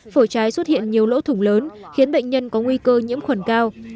phổi trái xuất hiện nhiều lỗ thủng lớn khiến bệnh nhân có nguy cơ nhiễm khuẩn cao